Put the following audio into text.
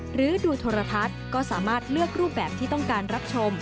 หรือดูโทรทัศน์ก็สามารถเลือกรูปแบบที่ต้องการรับชม